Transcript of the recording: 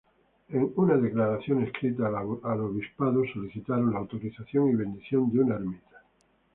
En una declaración escrita al obispado solicitaron la autorización y bendición de una ermita.